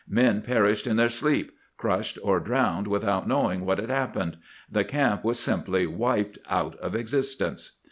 Men perished in their sleep, crushed or drowned, without knowing what had happened. The camp was simply wiped out of existence.